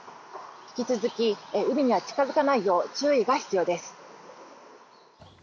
引き続き海には近付かないよう注意が必要です。